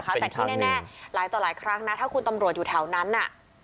แต่ที่แน่หลายต่อหลายครั้งนะถ้าคุณตำรวจอยู่แถวนั้นน่ะ